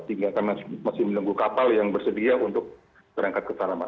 tinggal kami masih menunggu kapal yang bersedia untuk terangkat ke sana mbak